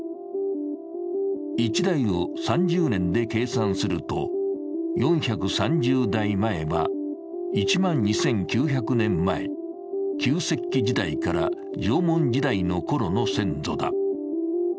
１代を３０年で計算すると、４３０代前は１万２９００年前、旧石器時代から縄文時代のころの先祖だ。